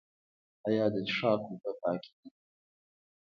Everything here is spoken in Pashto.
آیا د څښاک اوبه پاکې دي؟